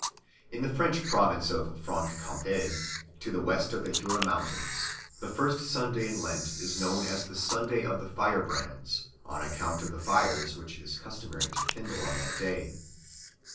In the French province of Franche Comté, to the west of the Jura Mountains, the first Sunday of Lent is known as the Sunday of the Firebrands (Brandons), on account of the fires which it is customary to kindle on that day.